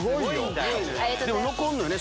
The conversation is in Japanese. でも残るのよね